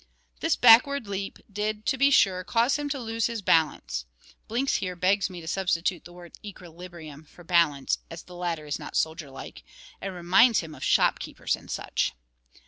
This backward leap did to be sure cause him to lose his balance. [Blinks here begs me to substitute the word "equilibrium" for "balance," as the latter is not soldier like, and reminds him of shop keepers and such.